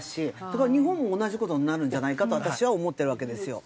だから日本も同じ事になるんじゃないかと私は思ってるわけですよ。